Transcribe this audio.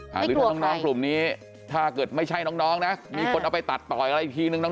หรือกลุ่มนี้ถ้าเกิดไม่ใช่น้องนะมีคนเอาไปตัดต่อยเหลืออีกทีนึง